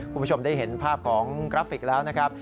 คุณผู้ชมได้เห็นภาพของกราฟิกแล้วนะครับ